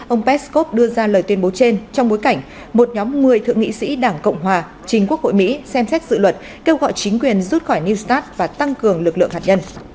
ông peskov đưa ra lời tuyên bố trên trong bối cảnh một nhóm một mươi thượng nghị sĩ đảng cộng hòa chính quốc hội mỹ xem xét dự luật kêu gọi chính quyền rút khỏi new start và tăng cường lực lượng hạt nhân